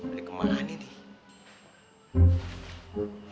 ada kemana nih